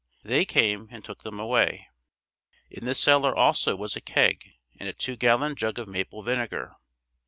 They came and took them away. In the cellar also was a keg and a two gallon jug of maple vinegar.